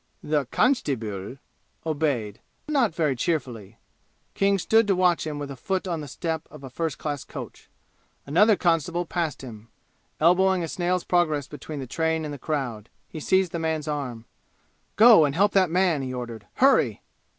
The "constabeel" obeyed, not very cheerfully. King stood to watch him with a foot on the step of a first class coach. Another constable passed him, elbowing a snail's progress between the train and the crowd. He seized the man's arm. "Go and help that man!" he ordered. "Hurry!"